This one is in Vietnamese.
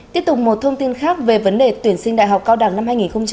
tiếp tục một thông tin khác về vấn đề tuyển sinh đại học cao đẳng năm hai nghìn hai mươi